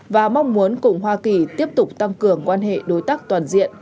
và mong muốn cùng hoa kỳ tiếp tục tăng cường quan hệ đối tác toàn diện